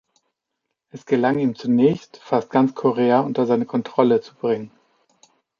Es gelang ihm zunächst, fast ganz Korea unter seine Kontrolle zu bringen.